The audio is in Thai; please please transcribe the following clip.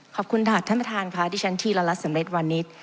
ขอบคุณทหารท่านประธานค่ะที่ฉันทีละละสำเร็จวันนี้